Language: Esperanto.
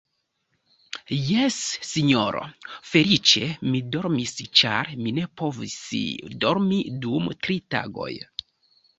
Jes, sinjoro, feliĉe mi dormis, ĉar mi ne povis dormi dum tri tagoj.